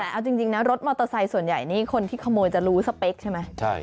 แต่เอาจริงนะรถมอเตอร์ไซค์ส่วนใหญ่นี่คนที่ขโมยจะรู้สเปคใช่ไหม